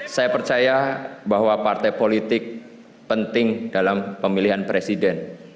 saya percaya bahwa partai politik penting dalam pemilihan presiden